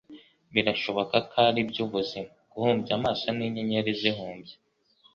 Birashoboka ko aribyo ubuzima… guhumbya amaso n'inyenyeri zihumbya.”